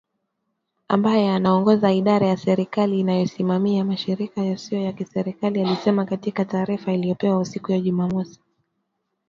Ambaye anaongoza idara ya serikali inayosimamia mashirika yasiyo ya kiserikali, alisema katika taarifa iliyopewa siku ya Jumamosi.